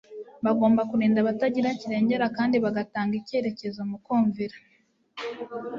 Bagombaga kurinda abatagira kirengera, kandi bagatanga icyitegererezo mu kwumvira